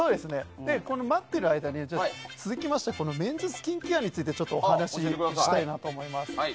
待ってる間に、続きましてメンズスキンケアについてお話ししたいなと思います。